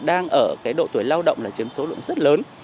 đang ở độ tuổi lao động là chiếm số lượng rất lớn